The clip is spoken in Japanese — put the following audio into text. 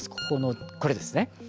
ここのこれですね。